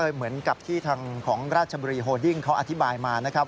เหมือนกับที่ทางของราชบุรีโฮดิ้งเขาอธิบายมานะครับ